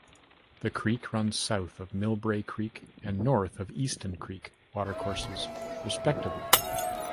The creek runs south of Millbrae Creek and north of Easton Creek watercourses respectively.